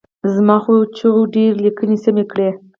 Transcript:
زما غو چیغو ډېرو لیکني سمې کړي.